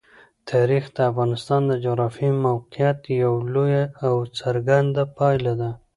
تاریخ د افغانستان د جغرافیایي موقیعت یوه لویه او څرګنده پایله ده.